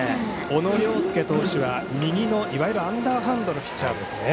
小野涼介投手は右のいわゆるアンダーハンドのピッチャーですね。